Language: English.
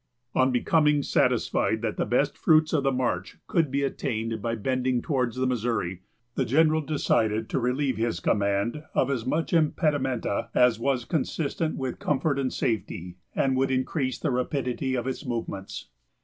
On becoming satisfied that the best fruits of the march could be attained by bending towards the Missouri, the general decided to relieve his command of as much impedimenta as was consistent with comfort and safety and would increase the rapidity of its movements.